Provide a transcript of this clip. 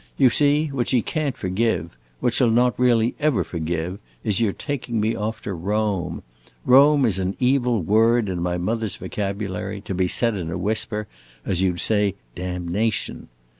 You see, what she can't forgive what she 'll not really ever forgive is your taking me off to Rome. Rome is an evil word, in my mother's vocabulary, to be said in a whisper, as you 'd say 'damnation.